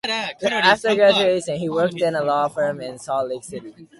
After graduation, he worked in a law firm in Salt Lake City.